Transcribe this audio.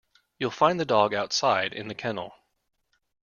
You'll find the dog outside, in the kennel